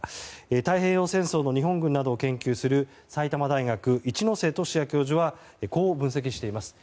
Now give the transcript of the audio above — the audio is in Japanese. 太平洋戦争の日本軍などを研究する埼玉大学、一ノ瀬俊也教授はこう分析しています。